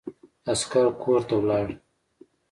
عسکر کورته ولاړ.